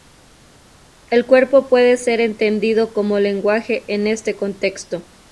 El cuerpo puede ser entendido como lenguaje en este contexto.